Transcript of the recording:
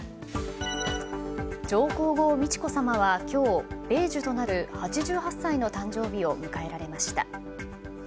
上皇后・美智子さまは今日米寿となる８８歳のお誕生日を迎えられました。